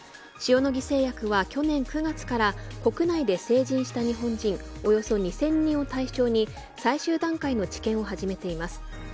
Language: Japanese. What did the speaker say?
塩野義製薬は去年９月から国内で成人した日本人およそ２０００人を対象に最終段階の治験を始めています。